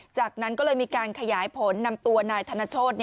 จากนั้นก็เลยมีการขยายผลนำตัวนายธนโชธ